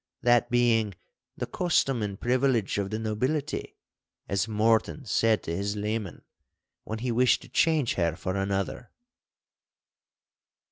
That being 'the custom and privilege of the nobility,' as Morton said to his leman, when he wished to change her for another.